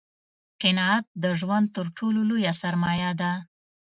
قناعت دژوند تر ټولو لویه سرمایه ده